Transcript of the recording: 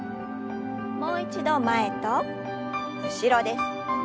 もう一度前と後ろです。